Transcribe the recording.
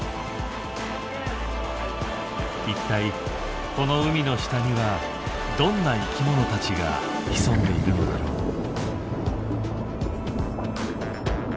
一体この海の下にはどんな生きものたちが潜んでいるのだろう。